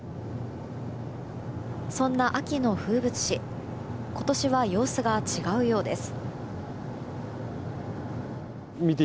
そんな秋の風物詩今年は様子が違うようです。